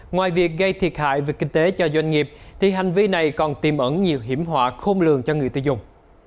ngoài việc gây thiệt hại về kinh tế cho doanh nghiệp thì hành vi này còn tiêm ẩn nhiều hiểm họa khôn lường cho người tiêu dùng